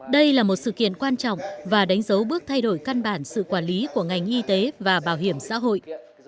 đây là một sự kiện quan trọng và đánh dấu bước thay đổi căn bản sự quản lý của ngành y tế và bảo hiểm xã hội